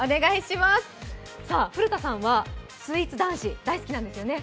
古田さんはスイーツ男子、大好きなんですよね。